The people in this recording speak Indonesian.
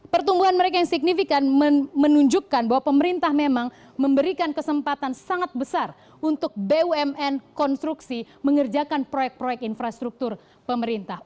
pertumbuhan mereka yang signifikan menunjukkan bahwa pemerintah memang memberikan kesempatan sangat besar untuk bumn konstruksi mengerjakan proyek proyek infrastruktur pemerintah